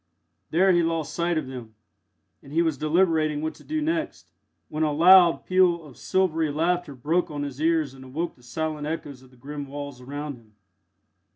There he lost sight of them, and he was deliberating what to do next, when a loud peal of silvery laughter broke on his ears and awoke the silent echoes of the grim walls around him.